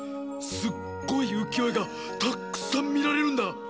すっごいうきよえがたっくさんみられるんだ。